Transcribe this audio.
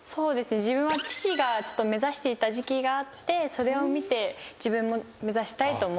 自分は父が目指していた時期があってそれを見て自分も目指したいと思って始めました。